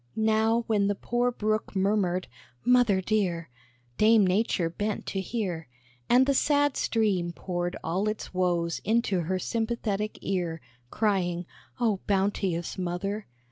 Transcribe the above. Now when the poor Brook murmured, "Mother dear!" Dame Nature bent to hear, And the sad stream poured all its woes into her sympathetic ear, Crying, "Oh, bounteous Mother!